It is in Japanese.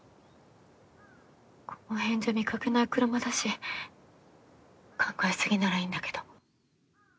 この辺じゃ見かけない車だし考え過ぎならいいんだけど。